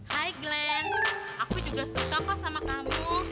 hai glenn aku juga suka pas sama kamu